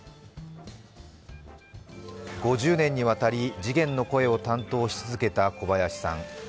５０年にわたって次元の声を担当し続けた小林さん。